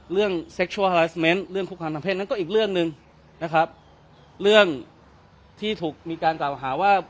เรื่องเรื่องนั้นก็อีกเรื่องหนึ่งนะครับเรื่องที่ถูกมีการต่าวหาว่า